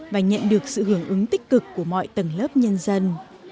và nhận được sự hưởng ứng tích cực của mọi tầng lớp nhân dân